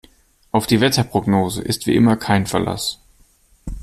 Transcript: Auf die Wetterprognose ist wie immer kein Verlass.